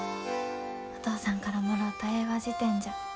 お父さんからもろうた英和辞典じゃ。